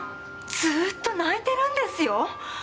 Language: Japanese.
ずーっと泣いてるんですよ？